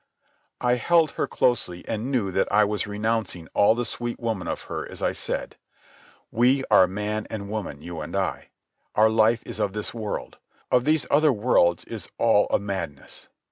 I held her closely and knew that I was renouncing all the sweet woman of her as I said: "We are man and woman, you and I. Our life is of this world. Of these other worlds is all a madness.